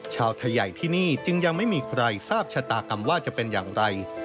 ชาวไทยใหญ่ที่นี่จึงยังไม่มีใครทราบชะตากรรมว่าจะเป็นอย่างไร